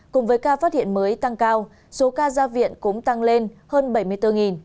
cùng với ca phát hiện mới tăng cao số ca ra viện cũng tăng lên hơn bảy mươi bốn